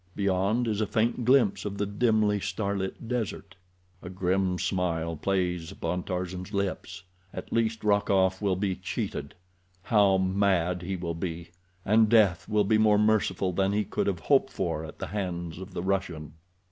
Beyond is a faint glimpse of the dimly starlit desert. A grim smile plays about Tarzan's lips. At least Rokoff will be cheated. How mad he will be! And death will be more merciful than he could have hoped for at the hands of the Russian.